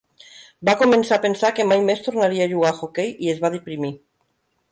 Va començar a pensar que mai més tornaria a jugar a hoquei i es va deprimir.